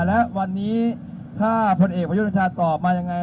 และวันนี้ถ้าพลเอกประยุทธ์ชาตอบมายังไง